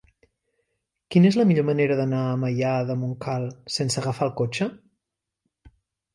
Quina és la millor manera d'anar a Maià de Montcal sense agafar el cotxe?